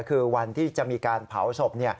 คือวันที่จะมีการเผาศพ